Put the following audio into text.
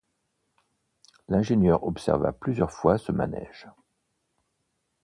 L’ingénieur observa plusieurs fois ce manège.